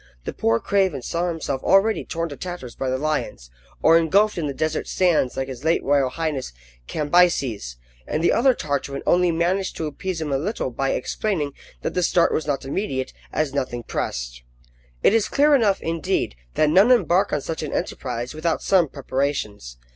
The poor craven saw himself already torn to tatters by the lions, or engulfed in the desert sands like his late royal highness Cambyses, and the other Tartarin only managed to appease him a little by explaining that the start was not immediate, as nothing pressed. It is clear enough, indeed, that none embark on such an enterprise without some preparations.